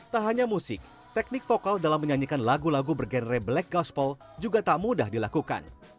tak hanya musik teknik vokal dalam menyanyikan lagu lagu bergenre black gospel juga tak mudah dilakukan